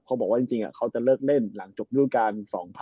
เขาบอกว่าจริงเขาจะเลิกเล่นหลังจบรูปการ๒๐๑๖